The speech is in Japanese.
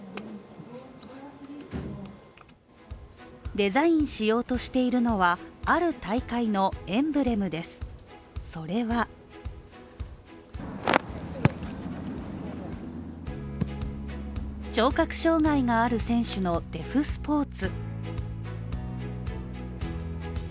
デザインしようとしているのはある大会のエンブレムです、それは聴覚障害を持つ選手の、デフスポーツ。